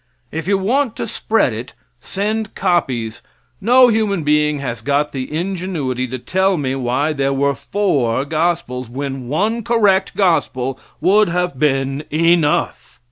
If you want to spread it, send copies. No human being has got the ingenuity to tell me why there were four gospels, when one correct gospel would have been enough.